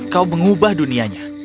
kau mengubah dunianya